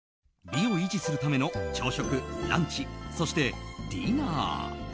美を維持するための朝食、ランチ、そしてディナー。